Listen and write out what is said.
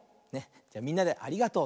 じゃみんなで「ありがとう」。